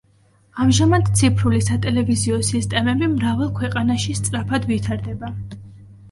ამჟამად ციფრული სატელევიზიო სისტემები მრავალ ქვეყანაში სწრაფად ვითარდება.